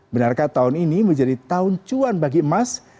benarkah tahun ini menjadi tahun cuan bagi emas